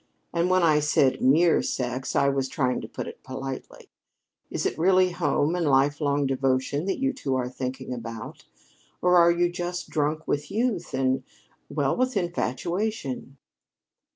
And when I said mere sex I was trying to put it politely. Is it really home and lifelong devotion that you two are thinking about, or are you just drunk with youth and well, with infatuation?"